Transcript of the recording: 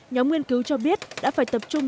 nhóm nguyên cứu cho biết đã phải tập trung